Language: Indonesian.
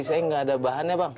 saya nggak ada bahannya bang